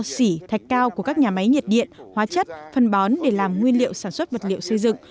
xỉ thạch cao của các nhà máy nhiệt điện hóa chất phân bón để làm nguyên liệu sản xuất vật liệu xây dựng